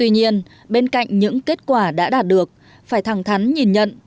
nhưng bên cạnh những kết quả đã đạt được phải thẳng thắn nhìn nhận